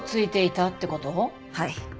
はい。